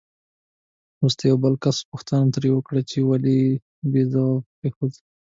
وروسته یو بل کس پوښتنه ترې وکړه چې ولې دې بې ځوابه پرېښود؟